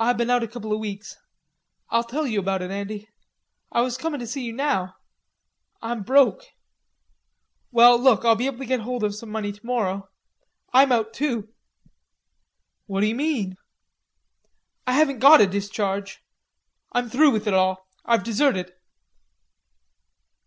"Ah been out a couple o' weeks. Ah'll tell you about it, Andy. Ah was comin' to see you now. Ah'm broke." "Well look, I'll be able to get hold of some money tomorrow.... I'm out too." "What d'ye mean?" "I haven't got a discharge. I'm through with it all. I've deserted."